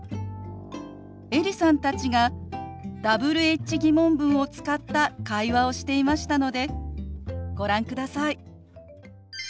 エリさんたちがＷｈ−疑問文を使った会話をしていましたのでご覧ください。